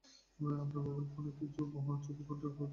আপনার মোবাইল ফোনে কিছু ভুয়া ছবি, কন্টাক্ট প্রভৃতি লোড করতে পারেন।